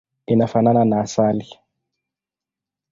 Inafanana na asali.